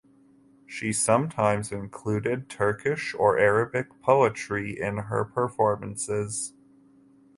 She sometimes included Turkish or Arabic poetry in her performances.